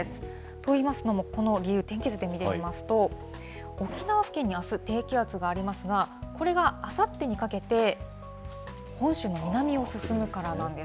と言いますのもこの理由、天気図で見ていきますと、沖縄付近にあす、低気圧がありますが、これがあさってにかけて、本州の南を進むからなんです。